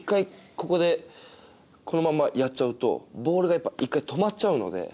ここでこのままやっちゃうとボールが１回止まっちゃうので。